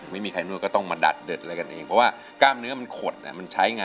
ไม่มีไข้งึ้อก็ต้องมาดัดเดินเลยกันเอง